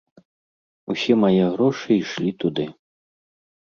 Усе мае грошы ішлі туды.